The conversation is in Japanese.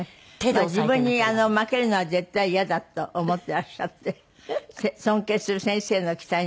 自分に負けるのは絶対嫌だと思ってらっしゃって尊敬する先生の期待に応えたい。